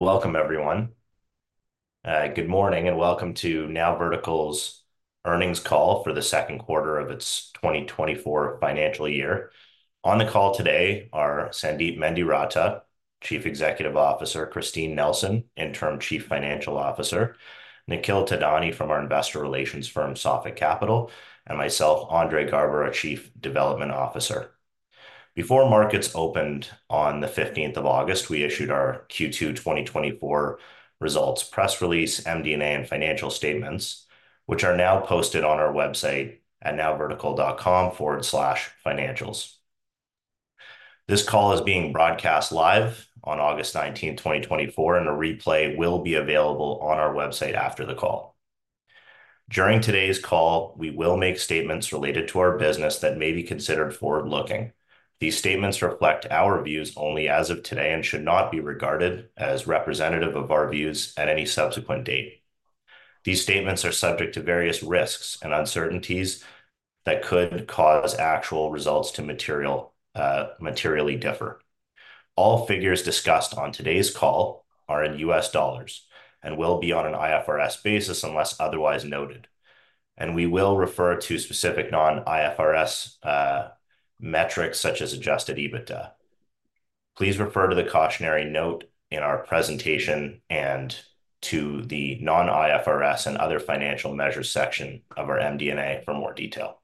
Welcome, everyone. Good morning, and welcome to NowVertical's earnings call for the second quarter of its 2024 financial year. On the call today are Sandeep Mendiratta, Chief Executive Officer; Christine Nelson, Interim Chief Financial Officer; Nikhil Thadani from our investor relations firm, Sophic Capital; and myself, Andre Garber, Chief Development Officer. Before markets opened on the 15th of August, we issued our Q2 2024 results, press release, MD&A, and financial statements, which are now posted on our website at nowvertical.com/financials. This call is being broadcast live on August 19th, 2024, and a replay will be available on our website after the call. During today's call, we will make statements related to our business that may be considered forward-looking. These statements reflect our views only as of today and should not be regarded as representative of our views at any subsequent date. These statements are subject to various risks and uncertainties that could cause actual results to materially differ. All figures discussed on today's call are in U.S. dollars and will be on an IFRS basis unless otherwise noted. And we will refer to specific non-IFRS metrics, such as Adjusted EBITDA. Please refer to the cautionary note in our presentation and to the non-IFRS and other financial measures section of our MD&A for more detail.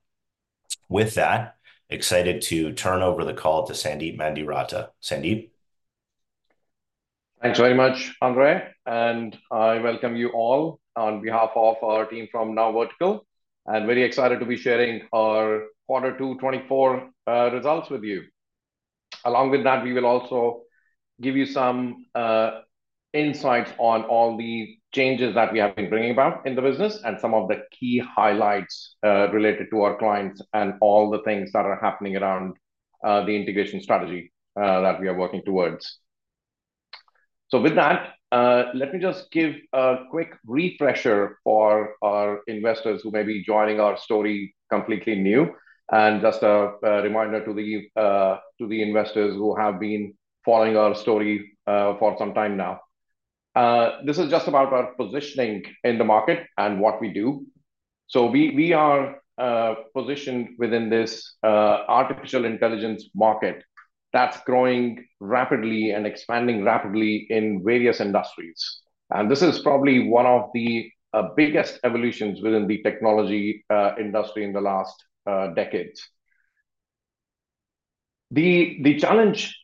With that, excited to turn over the call to Sandeep Mendiratta. Sandeep? Thank you very much, Andre, and I welcome you all on behalf of our team from NowVertical, and very excited to be sharing our quarter two 2024 results with you. Along with that, we will also give you some insights on all the changes that we have been bringing about in the business and some of the key highlights related to our clients and all the things that are happening around the integration strategy that we are working towards. So with that, let me just give a quick refresher for our investors who may be joining our story completely new, and just a reminder to the investors who have been following our story for some time now. This is just about our positioning in the market and what we do. We are positioned within this artificial intelligence market that's growing rapidly and expanding rapidly in various industries, this is probably one of the biggest evolutions within the technology industry in the last decades. The challenge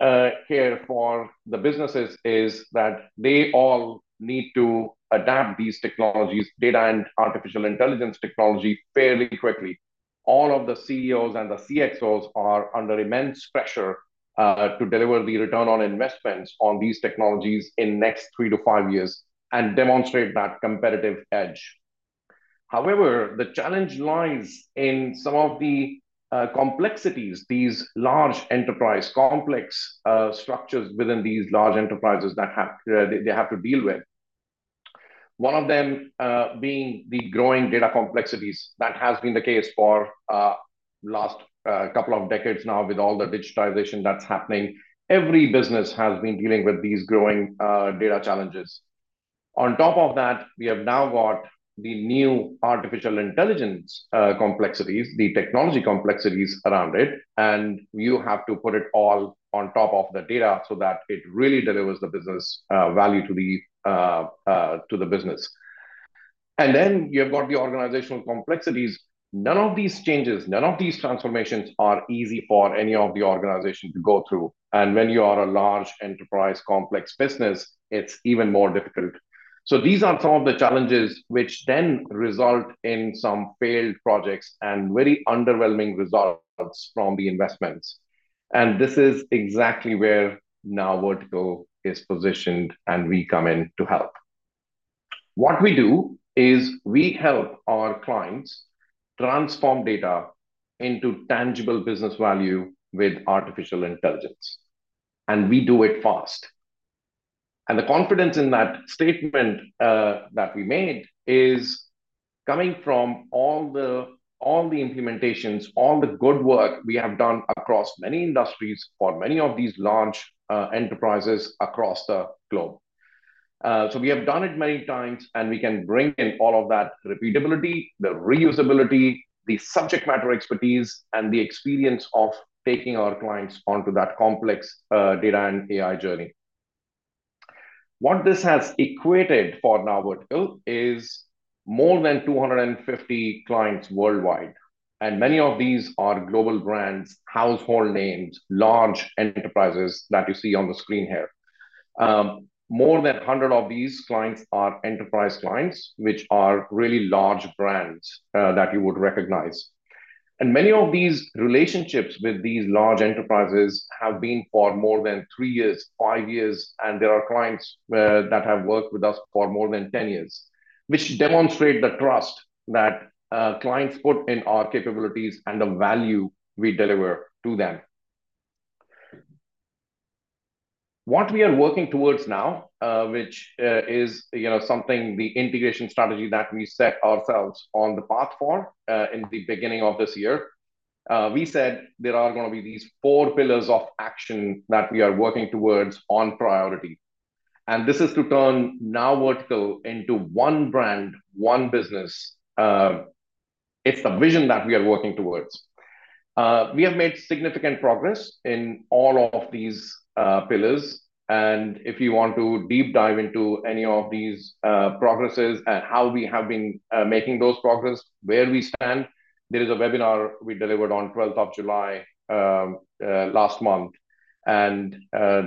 here for the businesses is that they all need to adapt these technologies, data and artificial intelligence technology, fairly quickly. All of the CEOs and the CXOs are under immense pressure to deliver the return on investments on these technologies in next 3-5 years and demonstrate that competitive edge. However, the challenge lies in some of the complexities, these large enterprise complex structures within these large enterprises that they have to deal with, one of them being the growing data complexities. That has been the case for last couple of decades now, with all the digitization that's happening. Every business has been dealing with these growing data challenges. On top of that, we have now got the new artificial intelligence complexities, the technology complexities around it, and you have to put it all on top of the data so that it really delivers the business value to the business. And then you've got the organizational complexities. None of these changes, none of these transformations are easy for any of the organization to go through, and when you are a large enterprise complex business, it's even more difficult. So these are some of the challenges which then result in some failed projects and very underwhelming results from the investments. This is exactly where NowVertical is positioned, and we come in to help. What we do is we help our clients transform data into tangible business value with artificial intelligence, and we do it fast. The confidence in that statement that we made is coming from all the implementations, all the good work we have done across many industries for many of these large enterprises across the globe. We have done it many times, and we can bring in all of that repeatability, the reusability, the subject matter expertise, and the experience of taking our clients onto that complex data and AI journey. What this has equated for NowVertical is more than 250 clients worldwide, and many of these are global brands, household names, large enterprises that you see on the screen here. More than hundred of these clients are enterprise clients, which are really large brands that you would recognize. And many of these relationships with these large enterprises have been for more than three years, five years, and there are clients that have worked with us for more than ten years, which demonstrate the trust that clients put in our capabilities and the value we deliver to them. What we are working towards now, you know, the integration strategy that we set ourselves on the path for in the beginning of this year we said there are gonna be these four pillars of action that we are working towards on priority. And this is to turn NowVertical into one brand, one business. It's the vision that we are working towards. We have made significant progress in all of these pillars, and if you want to deep dive into any of these progresses and how we have been making those progress, where we stand, there is a webinar we delivered on 12th of July last month.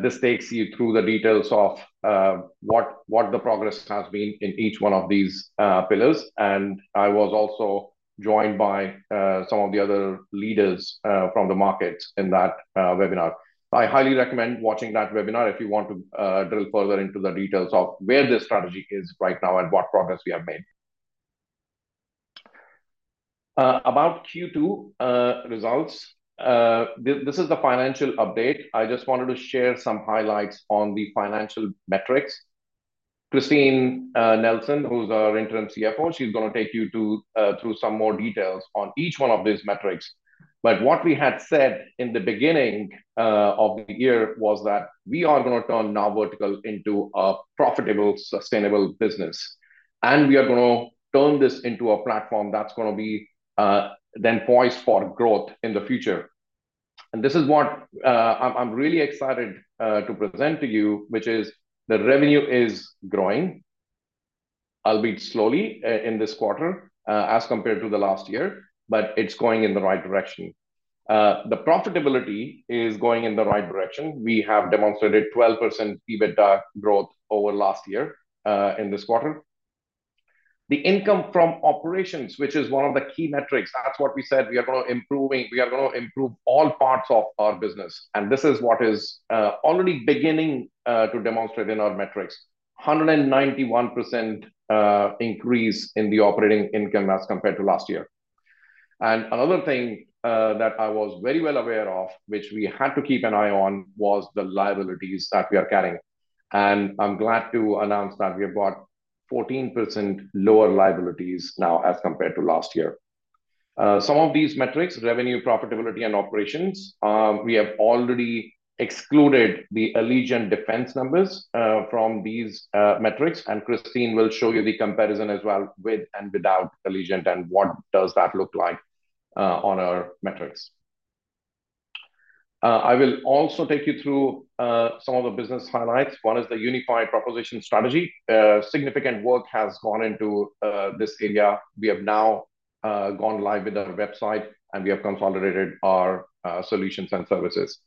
This takes you through the details of what the progress has been in each one of these pillars. And I was also joined by some of the other leaders from the markets in that webinar. I highly recommend watching that webinar if you want to drill further into the details of where this strategy is right now and what progress we have made. About Q2 results, this is the financial update. I just wanted to share some highlights on the financial metrics. Christine Nelson, who's our interim CFO, she's gonna take you through some more details on each one of these metrics, but what we had said in the beginning of the year was that we are gonna turn NowVertical into a profitable, sustainable business, and we are gonna turn this into a platform that's gonna be then poised for growth in the future, and this is what I'm really excited to present to you, which is the revenue is growing, albeit slowly in this quarter as compared to the last year, but it's going in the right direction. The profitability is going in the right direction. We have demonstrated 12% EBITDA growth over last year in this quarter. The income from operations, which is one of the key metrics, that's what we said, we are gonna improve all parts of our business, and this is what is already beginning to demonstrate in our metrics. 191% increase in the operating income as compared to last year. And another thing that I was very well aware of, which we had to keep an eye on, was the liabilities that we are carrying. And I'm glad to announce that we have got 14% lower liabilities now as compared to last year. Some of these metrics, revenue, profitability, and operations, we have already excluded the Allegient Defense numbers from these metrics, and Christine will show you the comparison as well, with and without Allegient, and what does that look like on our metrics. I will also take you through some of the business highlights. One is the unified proposition strategy. Significant work has gone into this area. We have now gone live with our website, and we have consolidated our solutions and services,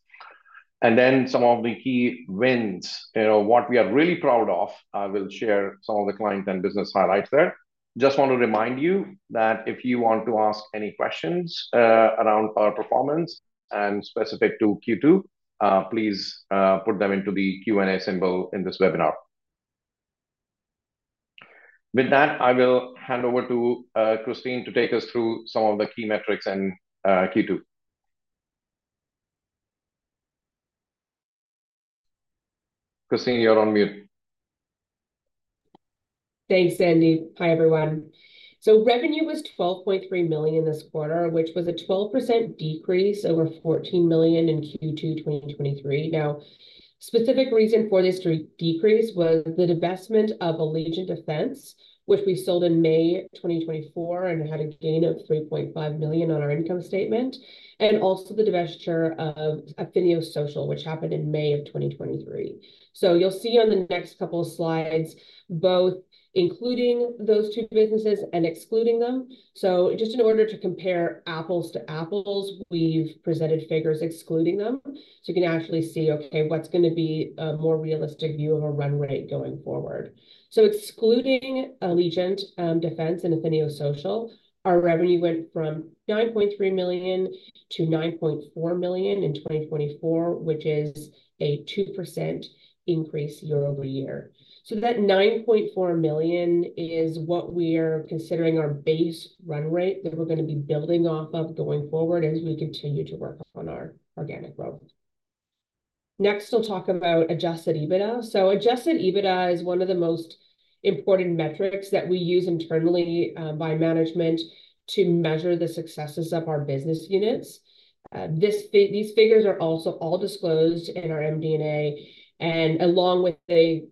and then some of the key wins. You know, what we are really proud of, I will share some of the client and business highlights there. Just want to remind you that if you want to ask any questions around our performance and specific to Q2, please put them into the Q&A symbol in this webinar. With that, I will hand over to Christine to take us through some of the key metrics in Q2. Christine, you're on mute. Thanks, Sandeep. Hi, everyone. So revenue was $12.3 million this quarter, which was a 12% decrease over $14 million in Q2 2023. Now, specific reason for this decrease was the divestment of Allegient Defense, which we sold in May 2024, and had a gain of $3.5 million on our income statement, and also the divestiture of Affinio Social, which happened in May of 2023. So you'll see on the next couple of slides, both including those two businesses and excluding them. So just in order to compare apples to apples, we've presented figures excluding them. So you can actually see, okay, what's gonna be a more realistic view of our run rate going forward? So excluding Allegient Defense and Affinio Social, our revenue went from $9.3 million-$9.4 million in 2024, which is a 2% increase year over year. So that $9.4 million is what we are considering our base run rate that we're gonna be building off of going forward as we continue to work on our organic growth. Next, I'll talk about Adjusted EBITDA. So Adjusted EBITDA is one of the most important metrics that we use internally by management to measure the successes of our business units. These figures are also all disclosed in our MD&A, and along with a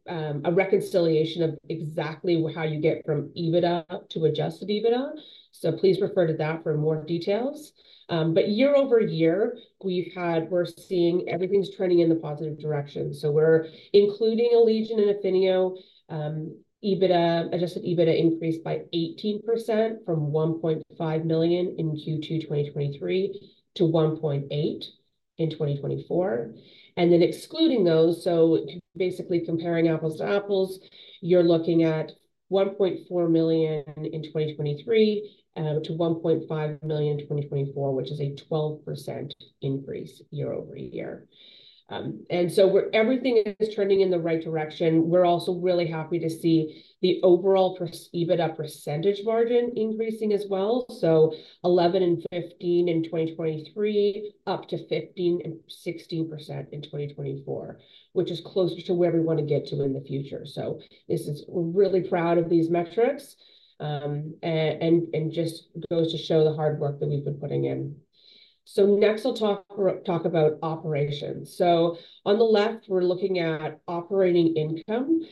reconciliation of exactly how you get from EBITDA to Adjusted EBITDA, so please refer to that for more details. But year over year, we're seeing everything's trending in the positive direction. We're including Allegient and Affinio. Adjusted EBITDA increased by 18% from $1.5 million in Q2 2023 to $1.8 million in 2024. And then excluding those, so basically comparing apples to apples, you're looking at $1.4 million in 2023 to $1.5 million in 2024, which is a 12% increase year over year. And so everything is turning in the right direction. We're also really happy to see the overall EBITDA percentage margin increasing as well, so 11% and 15% in 2023, up to 15% and 16% in 2024, which is closer to where we wanna get to in the future. This is we're really proud of these metrics, and just goes to show the hard work that we've been putting in. Next, I'll talk about operations. So on the left, we're looking at operating income.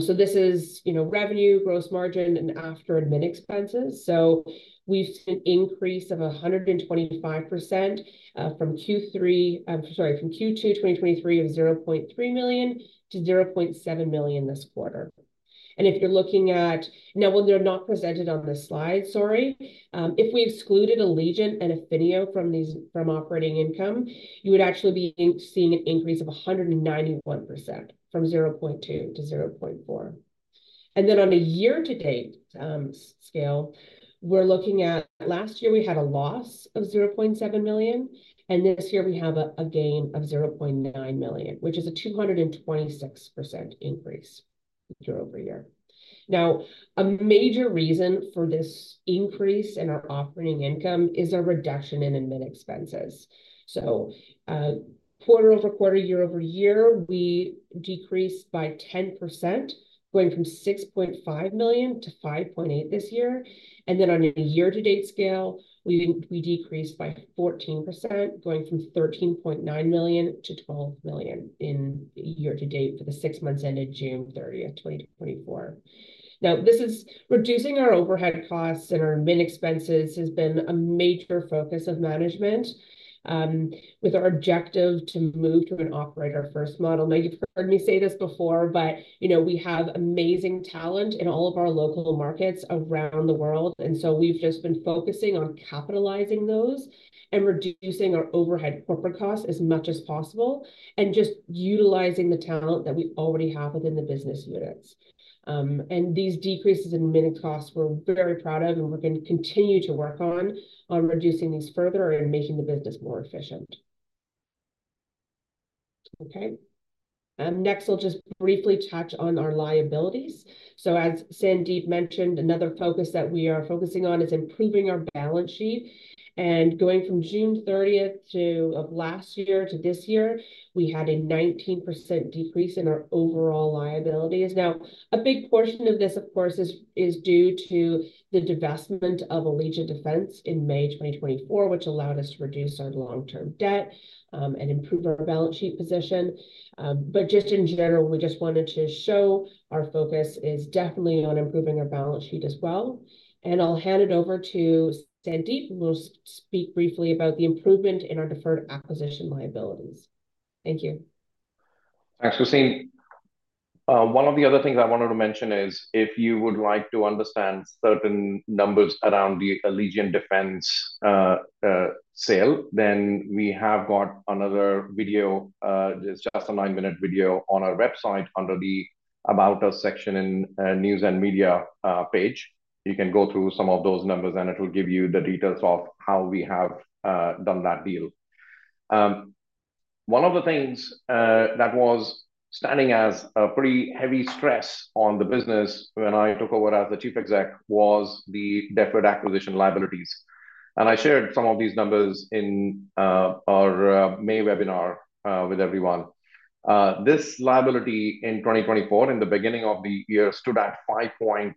So this is, you know, revenue, gross margin, and after admin expenses. So we've seen an increase of 125% from Q2 2023, of $0.3 million-$0.7 million this quarter. And if you're looking at now, well, they're not presented on this slide. If we excluded Allegient and Affinio from these, from operating income, you would actually be seeing an increase of 191%, from $0.2 million to $0.4 million. And then on a year-to-date scale, we're looking at last year, we had a loss of $0.7 million, and this year we have a gain of $0.9 million, which is a 226% increase year over year. Now, a major reason for this increase in our operating income is a reduction in admin expenses. Quarter over quarter, year over year, we decreased by 10%, going from $6.5 million to $5.8 million this year. Then on a year-to-date scale, we decreased by 14%, going from $13.9 million-$12 million year to date for the six months ended June 30th, 2024. Now, this is reducing our overhead costs and our admin expenses has been a major focus of management, with our objective to move to an operator-first model. Now, you've heard me say this before, but, you know, we have amazing talent in all of our local markets around the world, and so we've just been focusing on capitalizing those and reducing our overhead corporate costs as much as possible, and just utilizing the talent that we already have within the business units. And these decreases in admin costs, we're very proud of, and we're gonna continue to work on reducing these further and making the business more efficient. Okay. Next, I'll just briefly touch on our liabilities. So as Sandeep mentioned, another focus that we are focusing on is improving our balance sheet. Going from June 30th of last year to this year, we had a 19% decrease in our overall liabilities. Now, a big portion of this, of course, is due to the divestment of Allegient Defense in May 2024, which allowed us to reduce our long-term debt and improve our balance sheet position. But just in general, we just wanted to show our focus is definitely on improving our balance sheet as well. I'll hand it over to Sandeep, who will speak briefly about the improvement in our deferred acquisition liabilities. Thank you. Thanks, Christine. One of the other things I wanted to mention is, if you would like to understand certain numbers around the Allegient Defense sale, then we have got another video, just a nine-minute video on our website under the About Us section in News and Media page. You can go through some of those numbers, and it will give you the details of how we have done that deal. One of the things that was standing as a pretty heavy stress on the business when I took over as the chief exec was the deferred acquisition liabilities, and I shared some of these numbers in our May webinar with everyone. This liability in 2024, in the beginning of the year, stood at $5.1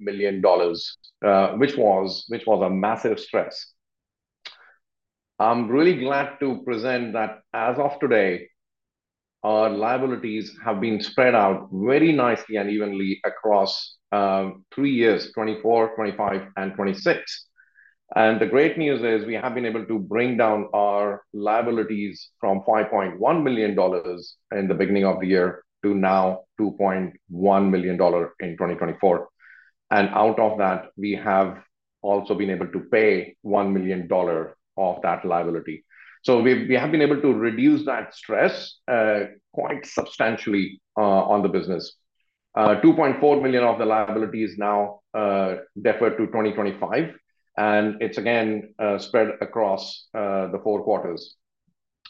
million, which was a massive stress. I'm really glad to present that, as of today, our liabilities have been spread out very nicely and evenly across three years, 2024, 2025, and 2026. And the great news is, we have been able to bring down our liabilities from $5.1 million in the beginning of the year to now $2.1 million in 2024. And out of that, we have also been able to pay $1 million of that liability. So we have been able to reduce that stress quite substantially on the business. $2.4 million of the liability is now deferred to 2025, and it's again spread across the four quarters,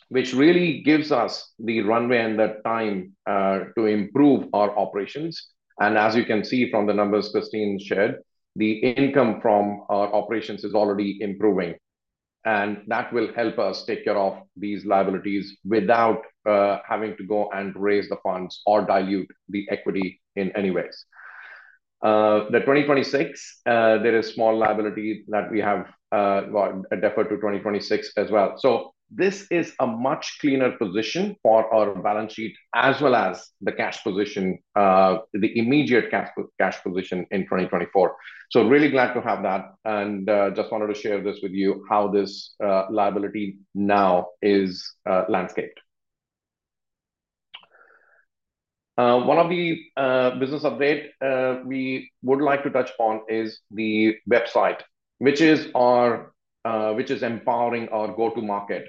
which really gives us the runway and the time to improve our operations. As you can see from the numbers Christine shared, the income from our operations is already improving, and that will help us take care of these liabilities without having to go and raise the funds or dilute the equity in any ways. The 2026, there is small liability that we have, well, deferred to 2026 as well. This is a much cleaner position for our balance sheet, as well as the cash position, the immediate cash position in 2024. Really glad to have that, and just wanted to share this with you, how this liability now is landscaped. One of the business update we would like to touch upon is the website, which is empowering our go-to-market.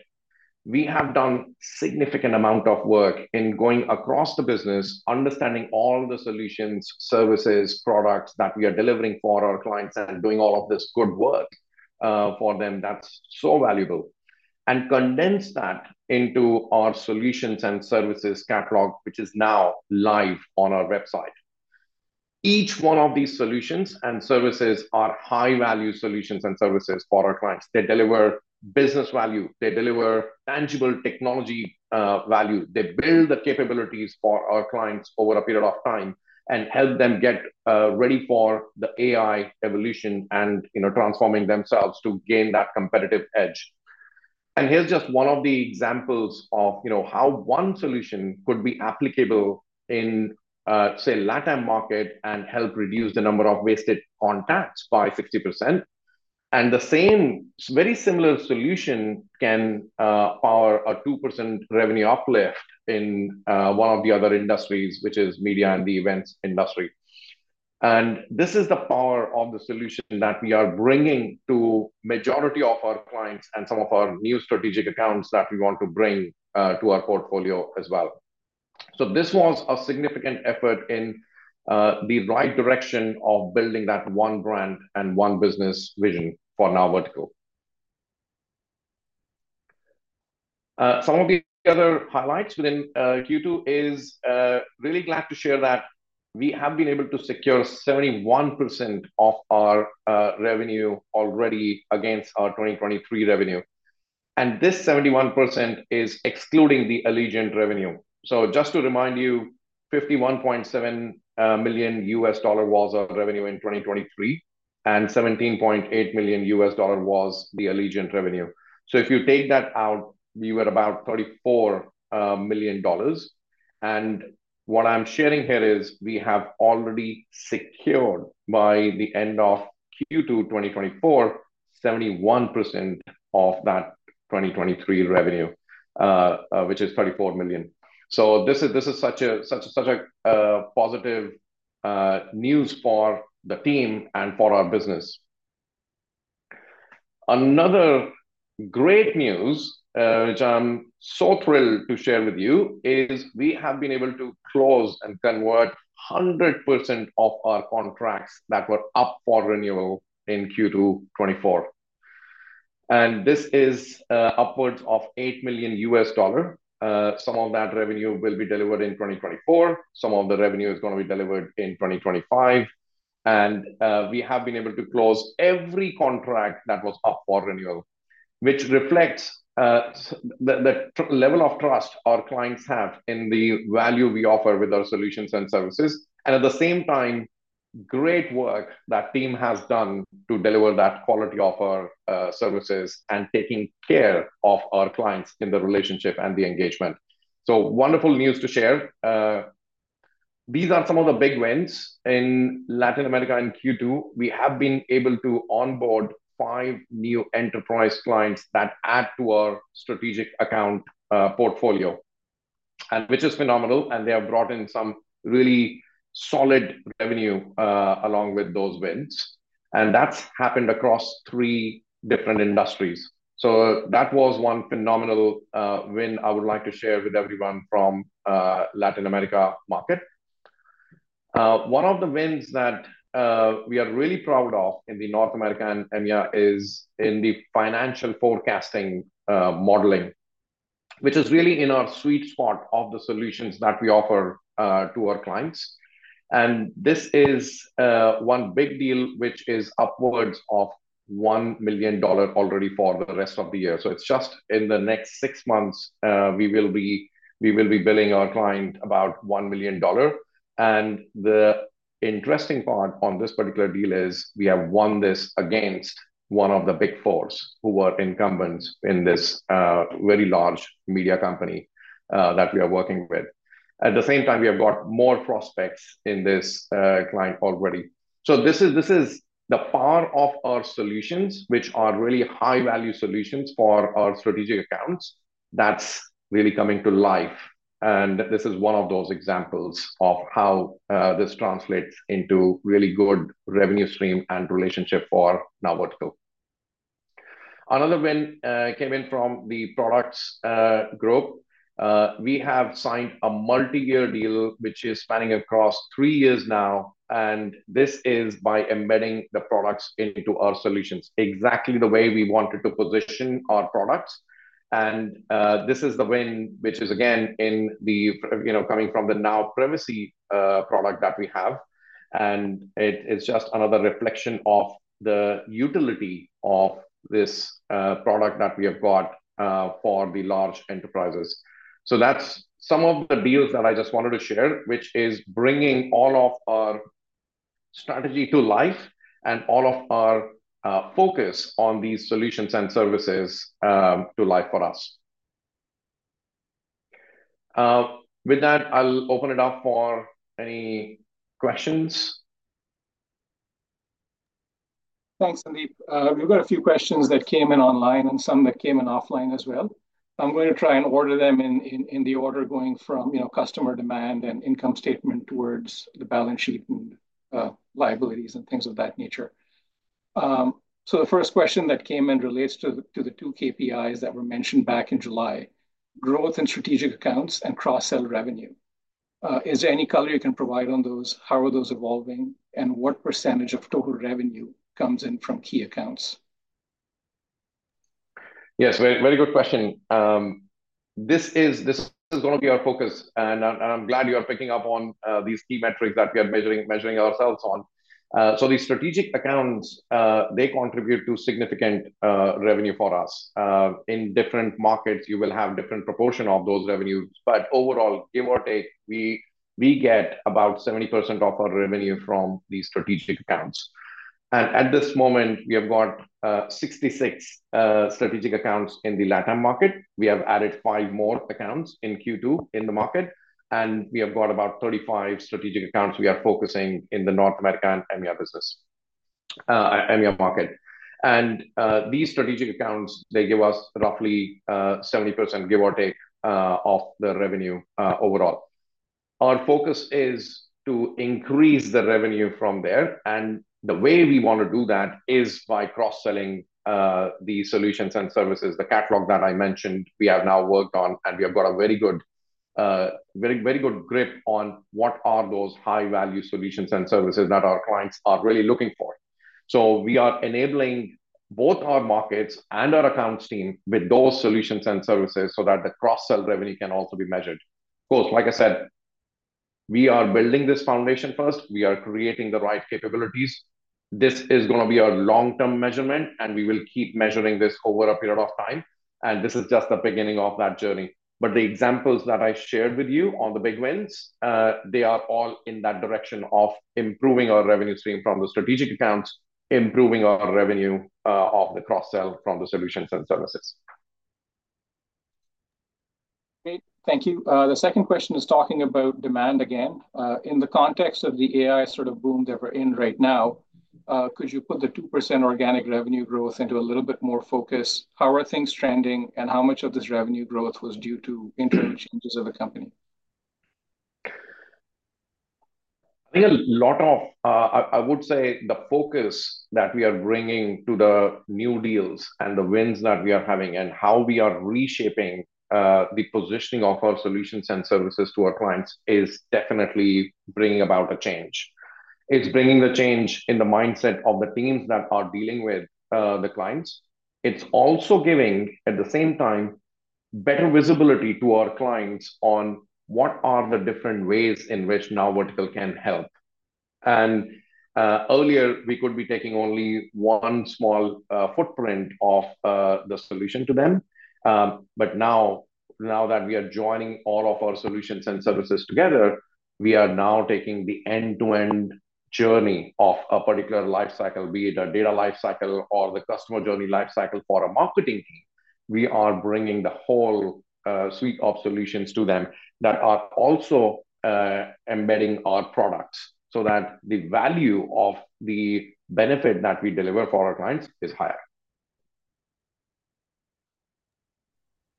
We have done significant amount of work in going across the business, understanding all the solutions, services, products that we are delivering for our clients and doing all of this good work for them that's so valuable, and condense that into our solutions and services catalog, which is now live on our website. Each one of these solutions and services are high-value solutions and services for our clients. They deliver business value. They deliver tangible technology value. They build the capabilities for our clients over a period of time and help them get ready for the AI evolution and, you know, transforming themselves to gain that competitive edge. And here's just one of the examples of, you know, how one solution could be applicable in, say, LatAm market and help reduce the number of wasted on tax by 60%. And the same, very similar solution can power a 2% revenue uplift in one of the other industries, which is media and the events industry. And this is the power of the solution that we are bringing to majority of our clients and some of our new strategic accounts that we want to bring to our portfolio as well. So this was a significant effort in the right direction of building that one brand and one business vision for NowVertical. Some of the other highlights within Q2 is really glad to share that we have been able to secure 71% of our revenue already against our 2023 revenue. And this 71% is excluding the Allegient revenue. So just to remind you, $51.7 million was our revenue in 2023, and $17.8 million was the Allegient revenue. If you take that out, we were about $34 million. What I'm sharing here is we have already secured, by the end of Q2 2024, 71% of that 2023 revenue, which is $34 million. This is such a positive news for the team and for our business. Another great news, which I'm so thrilled to share with you, is we have been able to close and convert 100% of our contracts that were up for renewal in Q2 2024. This is upwards of $8 million. Some of that revenue will be delivered in 2024, some of the revenue is gonna be delivered in 2025. And we have been able to close every contract that was up for renewal, which reflects the level of trust our clients have in the value we offer with our solutions and services, and at the same time, great work that team has done to deliver that quality of our services and taking care of our clients in the relationship and the engagement. So, wonderful news to share. These are some of the big wins in Latin America in Q2. We have been able to onboard five new enterprise clients that add to our strategic account portfolio, and which is phenomenal, and they have brought in some really solid revenue along with those wins. And that's happened across three different industries. So that was one phenomenal win I would like to share with everyone from Latin America market. One of the wins that we are really proud of in the North America and EMEA is in the financial forecasting modeling, which is really in our sweet spot of the solutions that we offer to our clients. And this is one big deal, which is upwards of $1 million already for the rest of the year. So it's just in the next six months we will be billing our client about $1 million. And the interesting part on this particular deal is, we have won this against one of the Big Fours, who were incumbents in this very large media company that we are working with. At the same time, we have got more prospects in this client already. So this is the power of our solutions, which are really high-value solutions for our strategic accounts. That's really coming to life, and this is one of those examples of how this translates into really good revenue stream and relationship for NowVertical. Another win came in from the products group. We have signed a multi-year deal which is spanning across three years now, and this is by embedding the products into our solutions, exactly the way we wanted to position our products, and this is the win, which is again, in the, you know, coming from the NOW Privacy product that we have, and it is just another reflection of the utility of this product that we have got for the large enterprises. So that's some of the deals that I just wanted to share, which is bringing all of our strategy to life and all of our focus on these solutions and services to life for us. With that, I'll open it up for any questions?... Thanks, Sandeep. We've got a few questions that came in online and some that came in offline as well. I'm going to try and order them in the order going from, you know, customer demand and income statement towards the balance sheet and liabilities and things of that nature. So the first question that came in relates to the two KPIs that were mentioned back in July: growth in strategic accounts and cross-sell revenue. Is there any color you can provide on those? How are those evolving, and what percentage of total revenue comes in from key accounts? Yes, very, very good question. This is gonna be our focus, and I'm glad you are picking up on these key metrics that we are measuring ourselves on. These strategic accounts, they contribute to significant revenue for us. In different markets, you will have different proportion of those revenues, but overall, give or take, we get about 70% of our revenue from these strategic accounts. At this moment, we have got 66 strategic accounts in the LatAm market. We have added five more accounts in Q2 in the market, and we have got about 35 strategic accounts we are focusing in the North America and EMEA business, EMEA market. These strategic accounts, they give us roughly 70%, give or take, of the revenue overall. Our focus is to increase the revenue from there, and the way we want to do that is by cross-selling, the solutions and services. The catalog that I mentioned, we have now worked on, and we have got a very good, very, very good grip on what are those high-value solutions and services that our clients are really looking for. So we are enabling both our markets and our accounts team with those solutions and services so that the cross-sell revenue can also be measured. Of course, like I said, we are building this foundation first. We are creating the right capabilities. This is gonna be a long-term measurement, and we will keep measuring this over a period of time, and this is just the beginning of that journey. But the examples that I shared with you on the big wins, they are all in that direction of improving our revenue stream from the strategic accounts, improving our revenue, of the cross-sell from the solutions and services. Great. Thank you. The second question is talking about demand again. In the context of the AI sort of boom that we're in right now, could you put the 2% organic revenue growth into a little bit more focus? How are things trending, and how much of this revenue growth was due to internal changes of the company? I think a lot of... I would say the focus that we are bringing to the new deals and the wins that we are having and how we are reshaping the positioning of our solutions and services to our clients is definitely bringing about a change. It's bringing the change in the mindset of the teams that are dealing with the clients. It's also giving, at the same time, better visibility to our clients on what are the different ways in which NowVertical can help. Earlier we could be taking only one small footprint of the solution to them. But now, now that we are joining all of our solutions and services together, we are now taking the end-to-end journey of a particular life cycle, be it a data life cycle or the customer journey life cycle for a marketing team. We are bringing the whole suite of solutions to them that are also embedding our products, so that the value of the benefit that we deliver for our clients is higher.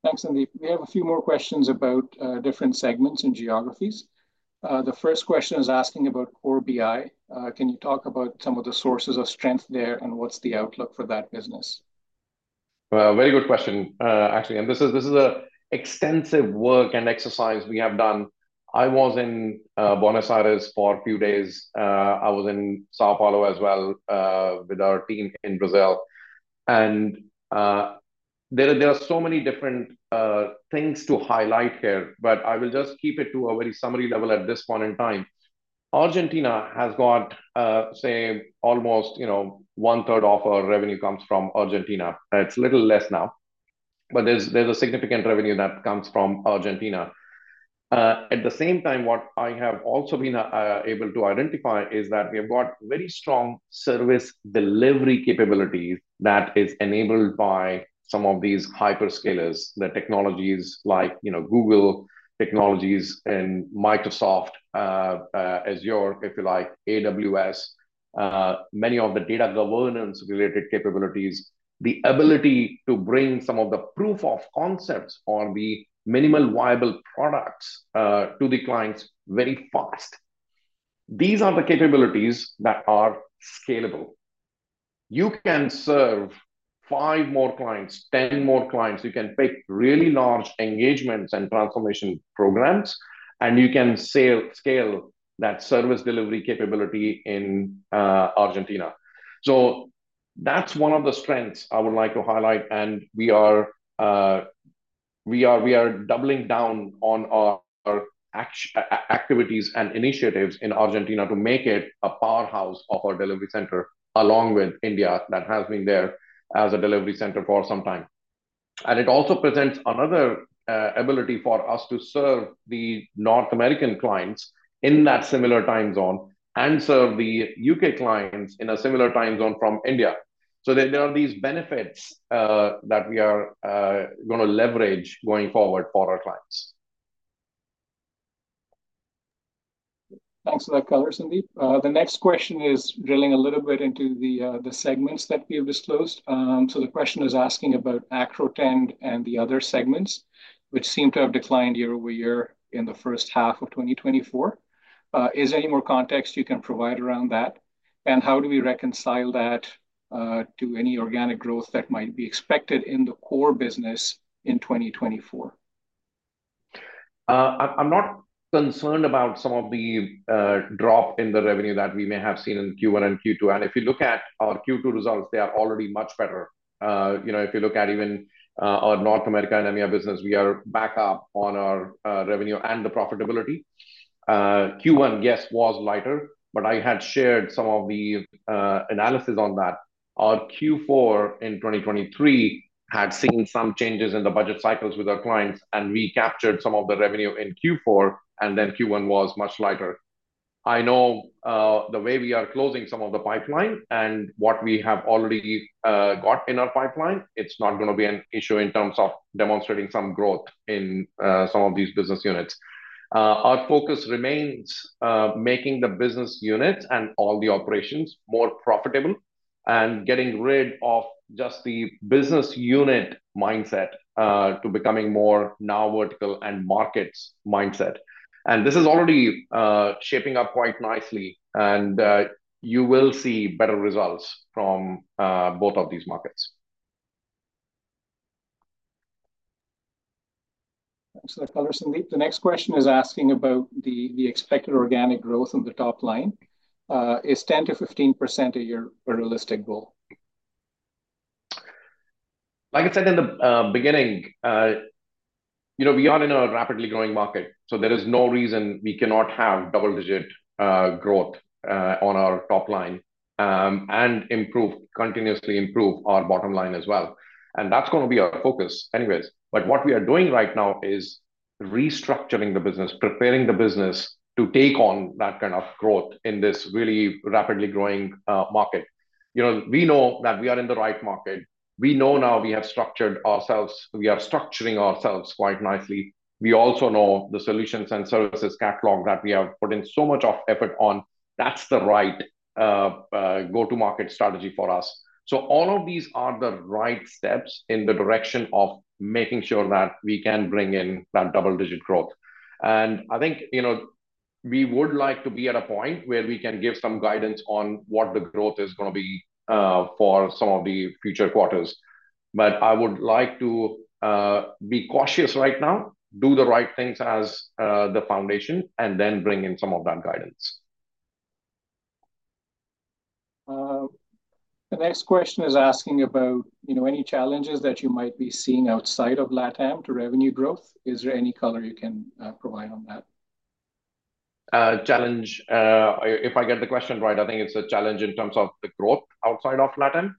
Thanks, Sandeep. We have a few more questions about different segments and geographies. The first question is asking about core BI. Can you talk about some of the sources of strength there, and what's the outlook for that business? Very good question, actually, and this is a extensive work and exercise we have done. I was in Buenos Aires for a few days. I was in São Paulo as well, with our team in Brazil. And there are so many different things to highlight here, but I will just keep it to a very summary level at this point in time. Argentina has got, say, almost, you know, one-third of our revenue comes from Argentina. It's a little less now, but there's a significant revenue that comes from Argentina. At the same time, what I have also been able to identify is that we have got very strong service delivery capabilities that is enabled by some of these hyperscalers, the technologies like, you know, Google technologies and Microsoft Azure, if you like, AWS, many of the data governance-related capabilities, the ability to bring some of the proof of concepts or the minimum viable products to the clients very fast. These are the capabilities that are scalable. You can serve five more clients, 10 more clients. You can pick really large engagements and transformation programs, and you can scale that service delivery capability in Argentina. So that's one of the strengths I would like to highlight, and we are doubling down on our activities and initiatives in Argentina to make it a powerhouse of our delivery center, along with India, that has been there as a delivery center for some time. And it also presents another ability for us to serve the North American clients in that similar time zone and serve the U.K. clients in a similar time zone from India. So there are these benefits that we are gonna leverage going forward for our clients. ... Thanks for that color, Sandeep. The next question is drilling a little bit into the, the segments that we have disclosed. So the question is asking about Acrotrend and the other segments, which seem to have declined year-over-year in the first half of 2024. Is there any more context you can provide around that? And how do we reconcile that to any organic growth that might be expected in the core business in 2024? I'm not concerned about some of the drop in the revenue that we may have seen in Q1 and Q2, and if you look at our Q2 results, they are already much better. You know, if you look at even our North America and EMEA business, we are back up on our revenue and the profitability. Q1, yes, was lighter, but I had shared some of the analysis on that. Our Q4 in 2023 had seen some changes in the budget cycles with our clients, and we captured some of the revenue in Q4, and then Q1 was much lighter. I know the way we are closing some of the pipeline and what we have already got in our pipeline, it's not gonna be an issue in terms of demonstrating some growth in some of these business units. Our focus remains making the business units and all the operations more profitable, and getting rid of just the business unit mindset to becoming more NowVertical and markets mindset. And this is already shaping up quite nicely, and you will see better results from both of these markets. Thanks for that color, Sandeep. The next question is asking about the expected organic growth on the top line. Is 10%-15% a year a realistic goal? Like I said in the beginning, you know, we are in a rapidly growing market, so there is no reason we cannot have double-digit growth on our top line, and improve continuously improve our bottom line as well, and that's gonna be our focus anyways. But what we are doing right now is restructuring the business, preparing the business to take on that kind of growth in this really rapidly growing market. You know, we know that we are in the right market. We know now we have structured ourselves we are structuring ourselves quite nicely. We also know the solutions and services catalog that we are putting so much of effort on, that's the right go-to-market strategy for us. So all of these are the right steps in the direction of making sure that we can bring in that double-digit growth. And I think, you know, we would like to be at a point where we can give some guidance on what the growth is gonna be for some of the future quarters. But I would like to be cautious right now, do the right things as the foundation, and then bring in some of that guidance. The next question is asking about, you know, any challenges that you might be seeing outside of LatAm to revenue growth. Is there any color you can provide on that? Challenge, if I get the question right, I think it's a challenge in terms of the growth outside of LatAm?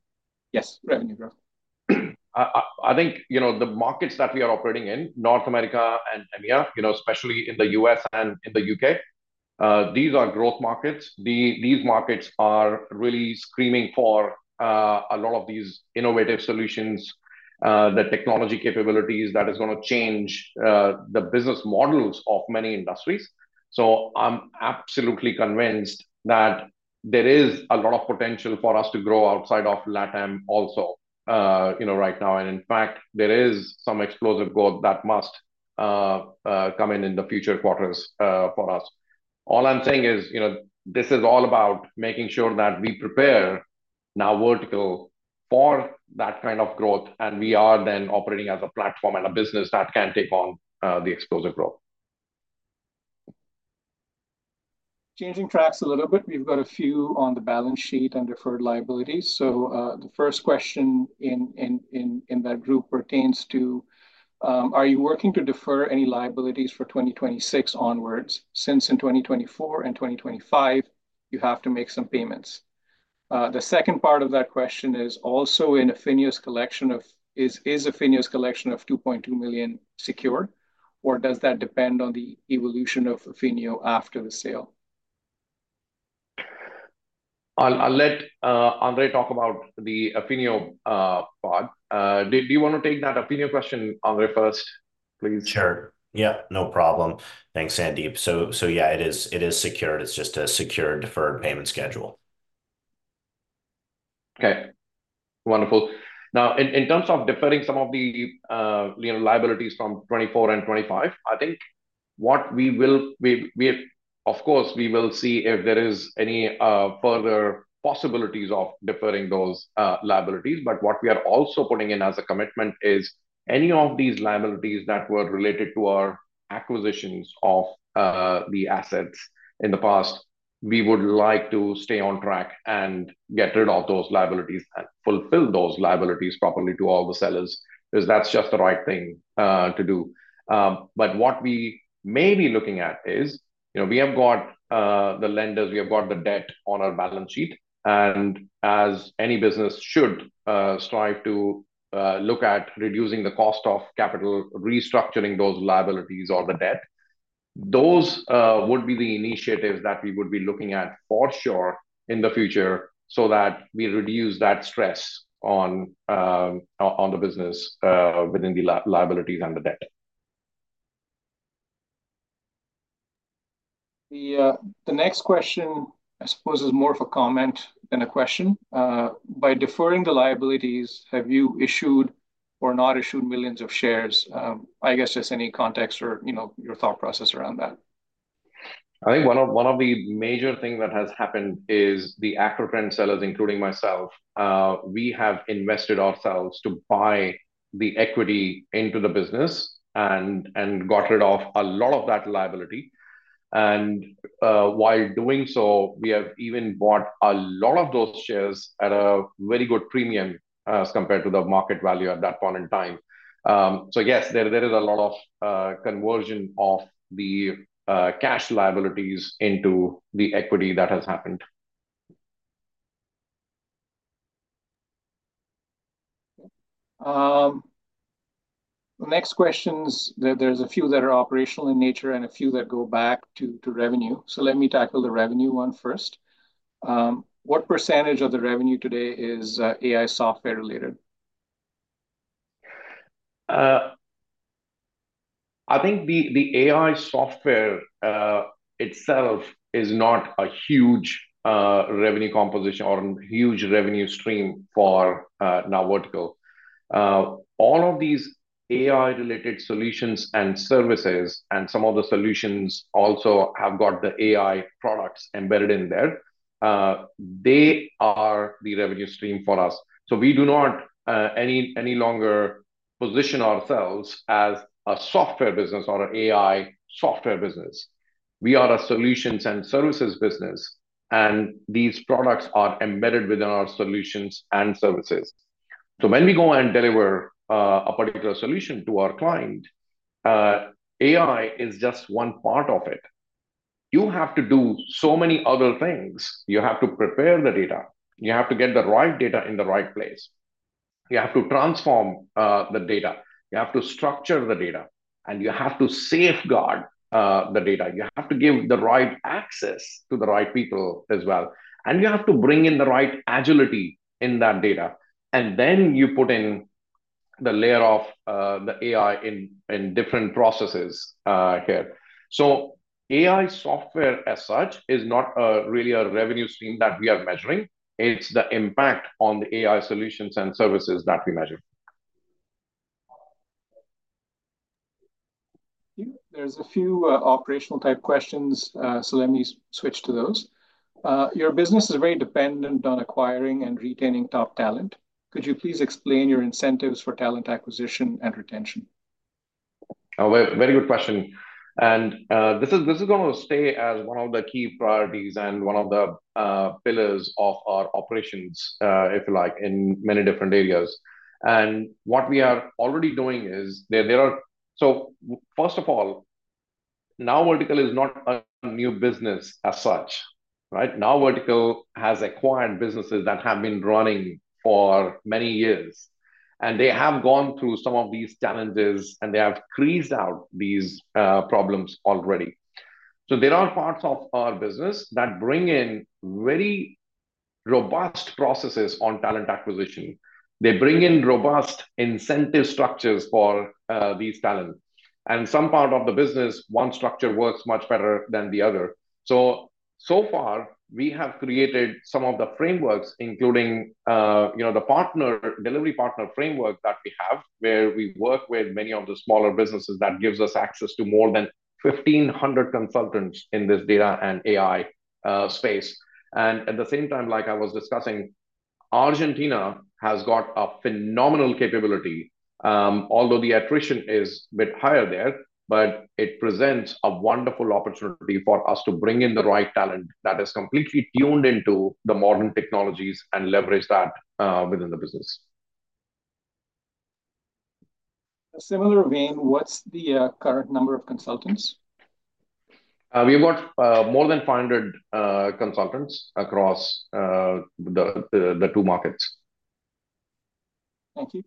Yes, revenue growth. I think, you know, the markets that we are operating in, North America and EMEA, you know, especially in the U.S. and in the U.K., these are growth markets. These markets are really screaming for a lot of these innovative solutions, the technology capabilities that is gonna change the business models of many industries. So I'm absolutely convinced that there is a lot of potential for us to grow outside of LatAm also, you know, right now. And in fact, there is some explosive growth that must come in the future quarters for us. All I'm saying is, you know, this is all about making sure that we prepare NowVertical for that kind of growth, and we are then operating as a platform and a business that can take on the explosive growth. Changing tracks a little bit, we've got a few on the balance sheet and deferred liabilities. So, the first question in that group pertains to: Are you working to defer any liabilities for 2026 onwards, since in 2024 and 2025 you have to make some payments? The second part of that question is also in Affinio's collection of... Is Affinio's collection of $2.2 million secure, or does that depend on the evolution of Affinio after the sale? I'll let Andre talk about the Affinio part. Do you want to take that Affinio question, Andre, first, please? Sure. Yeah, no problem. Thanks, Sandeep. So yeah, it is secured. It's just a secure deferred payment schedule. Okay, wonderful. Now, in terms of deferring some of the, you know, liabilities from 2024 and 2025, I think what we will, we will see if there is any further possibilities of deferring those liabilities. But what we are also putting in as a commitment is, any of these liabilities that were related to our acquisitions of the assets in the past, we would like to stay on track and get rid of those liabilities and fulfill those liabilities properly to all the sellers, because that's just the right thing to do. But what we may be looking at is, you know, we have got the lenders, we have got the debt on our balance sheet, and as any business should strive to look at reducing the cost of capital, restructuring those liabilities or the debt. Those would be the initiatives that we would be looking at for sure in the future, so that we reduce that stress on the business within the liabilities and the debt. ...The, the next question, I suppose, is more of a comment than a question. By deferring the liabilities, have you issued or not issued millions of shares? I guess just any context or, you know, your thought process around that. I think one of the major thing that has happened is the acquihire sellers, including myself, we have invested ourselves to buy the equity into the business and got rid of a lot of that liability, and while doing so, we have even bought a lot of those shares at a very good premium, as compared to the market value at that point in time, so yes, there is a lot of conversion of the cash liabilities into the equity that has happened. The next questions, there's a few that are operational in nature and a few that go back to revenue, so let me tackle the revenue one first. What percentage of the revenue today is AI software related? I think the AI software itself is not a huge revenue composition or huge revenue stream for NowVertical. All of these AI-related solutions and services, and some of the solutions also have got the AI products embedded in there, they are the revenue stream for us. So we do not any longer position ourselves as a software business or an AI software business. We are a solutions and services business, and these products are embedded within our solutions and services. So when we go and deliver a particular solution to our client, AI is just one part of it. You have to do so many other things. You have to prepare the data. You have to get the right data in the right place. You have to transform the data. You have to structure the data, and you have to safeguard the data. You have to give the right access to the right people as well, and you have to bring in the right agility in that data, and then you put in the layer of the AI in different processes here, so AI software, as such, is not really a revenue stream that we are measuring. It's the impact on the AI solutions and services that we measure. There's a few, operational-type questions, so let me switch to those. Your business is very dependent on acquiring and retaining top talent. Could you please explain your incentives for talent acquisition and retention? Very, very good question. And, this is gonna stay as one of the key priorities and one of the pillars of our operations, if you like, in many different areas. And what we are already doing is there are... So first of all, NowVertical is not a new business as such, right? NowVertical has acquired businesses that have been running for many years, and they have gone through some of these challenges, and they have weeded out these problems already. So there are parts of our business that bring in very robust processes on talent acquisition. They bring in robust incentive structures for these talent. And some part of the business, one structure works much better than the other. So far, we have created some of the frameworks, including, you know, the partner, delivery partner framework that we have, where we work with many of the smaller businesses that gives us access to more than 1,500 consultants in this data and AI space. At the same time, like I was discussing, Argentina has got a phenomenal capability, although the attrition is a bit higher there, but it presents a wonderful opportunity for us to bring in the right talent that is completely tuned into the modern technologies and leverage that within the business. A similar vein, what's the current number of consultants? We've got more than 500 consultants across the two markets. Thank you.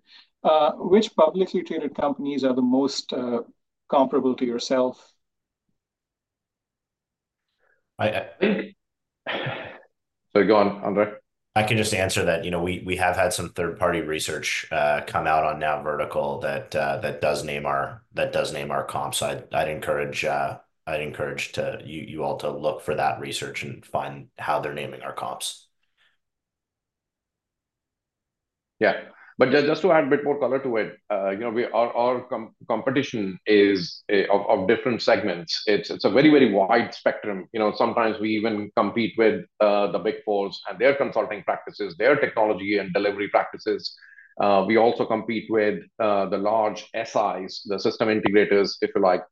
Which publicly traded companies are the most comparable to yourself? I, I- So go on, Andre. I can just answer that. You know, we have had some third-party research come out on NowVertical that does name our comps. I'd encourage you all to look for that research and find how they're naming our comps. Yeah. But just to add a bit more color to it, you know, we... Our competition is of different segments. It's a very wide spectrum. You know, sometimes we even compete with the Big Four and their consulting practices, their technology and delivery practices. We also compete with the large SIs, the system integrators, if you like.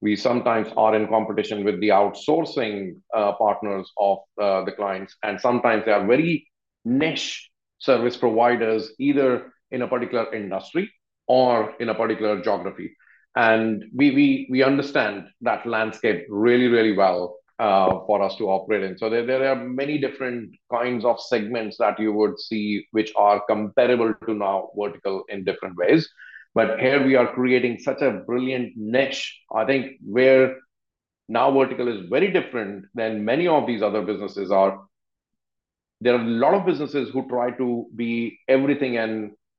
We sometimes are in competition with the outsourcing partners of the clients, and sometimes they are very niche service providers, either in a particular industry or in a particular geography. And we understand that landscape really well for us to operate in. So there are many different kinds of segments that you would see which are comparable to NowVertical in different ways. But here we are creating such a brilliant niche, I think, where NowVertical is very different than many of these other businesses are. There are a lot of businesses who try to be everything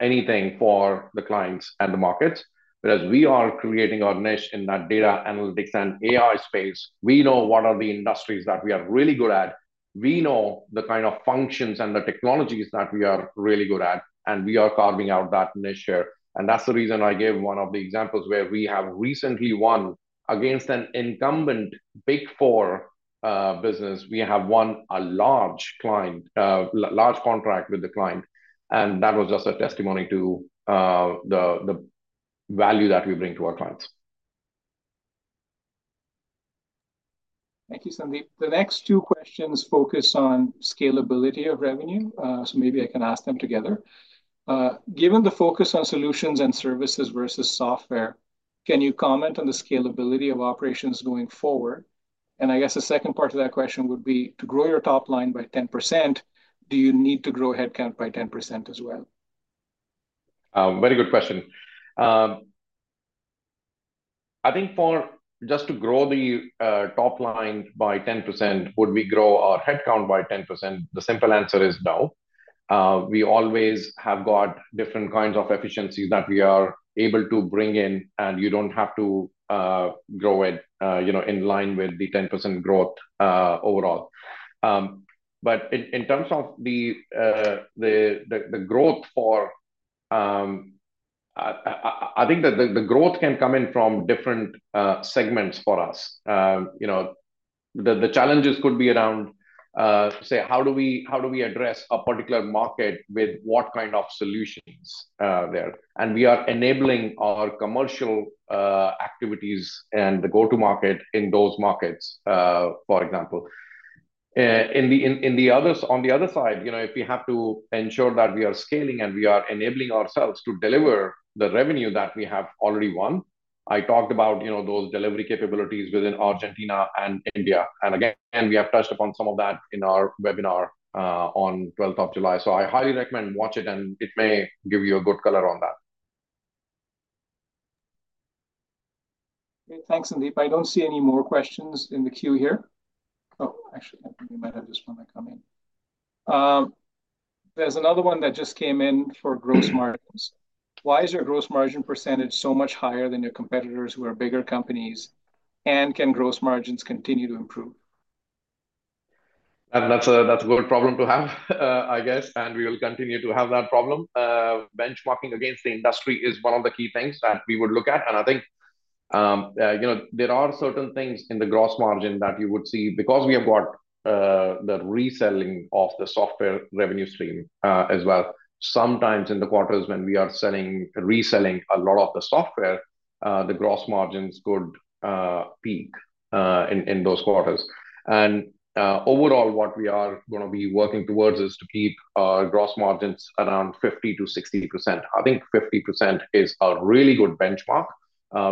and anything for the clients and the markets. But as we are creating our niche in that data analytics and AI space, we know what are the industries that we are really good at. We know the kind of functions and the technologies that we are really good at, and we are carving out that niche here. And that's the reason I gave one of the examples where we have recently won against an incumbent Big Four business. We have won a large client, large contract with the client, and that was just a testimony to the value that we bring to our clients. Thank you, Sandeep. The next two questions focus on scalability of revenue, so maybe I can ask them together. Given the focus on solutions and services versus software, can you comment on the scalability of operations going forward? And I guess the second part to that question would be, to grow your top line by 10%, do you need to grow headcount by 10% as well? Very good question. I think for just to grow the top line by 10%, would we grow our headcount by 10%? The simple answer is no. We always have got different kinds of efficiencies that we are able to bring in, and you don't have to grow it, you know, in line with the 10% growth, overall. But in terms of the growth for... I think that the growth can come in from different segments for us. You know, the challenges could be around, say, how do we address a particular market with what kind of solutions there? And we are enabling our commercial activities and the go-to-market in those markets, for example. In the others on the other side, you know, if we have to ensure that we are scaling and we are enabling ourselves to deliver the revenue that we have already won, I talked about, you know, those delivery capabilities within Argentina and India. And again, we have touched upon some of that in our webinar on 12th of July. So I highly recommend watch it, and it may give you a good color on that. Great. Thanks, Sandeep. I don't see any more questions in the queue here. Oh, actually, we might have just one that come in. There's another one that just came in for gross margins. Why is your gross margin percentage so much higher than your competitors who are bigger companies? And can gross margins continue to improve? That's a good problem to have, I guess, and we will continue to have that problem. Benchmarking against the industry is one of the key things that we would look at, and I think, you know, there are certain things in the gross margin that you would see. Because we have got the reselling of the software revenue stream as well, sometimes in the quarters when we are selling, reselling a lot of the software, the gross margins could peak in those quarters. Overall, what we are gonna be working towards is to keep our gross margins around 50-60%. I think 50% is a really good benchmark.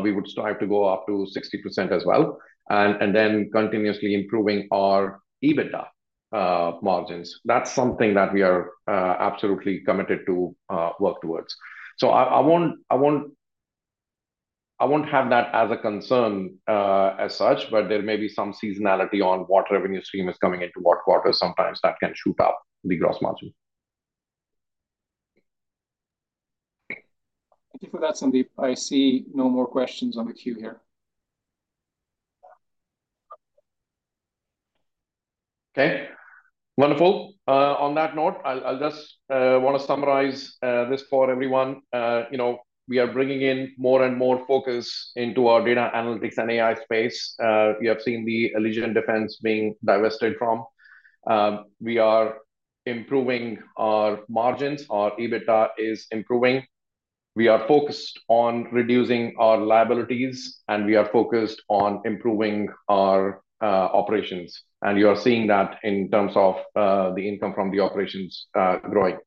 We would strive to go up to 60% as well, and then continuously improving our EBITDA margins. That's something that we are absolutely committed to work towards. So I won't have that as a concern as such, but there may be some seasonality on what revenue stream is coming into what quarter. Sometimes that can shoot up the gross margin. Thank you for that, Sandeep. I see no more questions on the queue here. Okay. Wonderful. On that note, I'll just want to summarize this for everyone. You know, we are bringing in more and more focus into our data analytics and AI space. We have seen the Affinio and Allegient Defense being divested from. We are improving our margins. Our EBITDA is improving. We are focused on reducing our liabilities, and we are focused on improving our operations, and you are seeing that in terms of the income from the operations growing.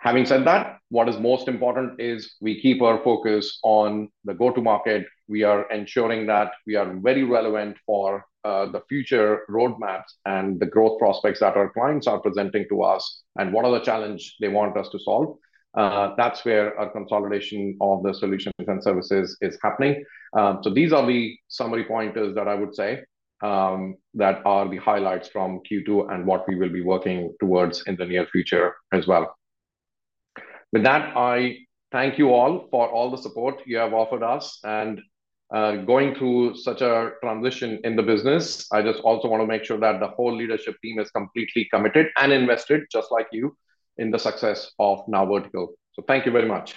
Having said that, what is most important is we keep our focus on the go-to-market. We are ensuring that we are very relevant for the future roadmaps and the growth prospects that our clients are presenting to us and what are the challenge they want us to solve. That's where our consolidation of the solutions and services is happening. So these are the summary pointers that I would say that are the highlights from Q2 and what we will be working towards in the near future as well. With that, I thank you all for all the support you have offered us. And, going through such a transition in the business, I just also want to make sure that the whole leadership team is completely committed and invested, just like you, in the success of NowVertical. So thank you very much.